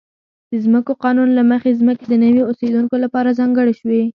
د ځمکو قانون له مخې ځمکې د نویو اوسېدونکو لپاره ځانګړې شوې.